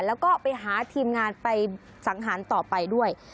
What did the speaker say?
แล้วก็ไปหาทีมงานไปสังหารต่อไปด้วย